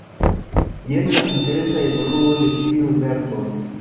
Jen la interesa evoluo de tiuj verboj: